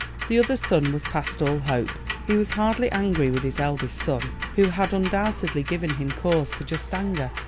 The other son was past all hope. He was hardly angry with his eldest son, who had undoubtedly given him cause for just anger.